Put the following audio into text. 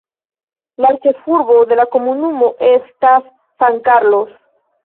La ĉefurbo de la komunumo estas San Carlos.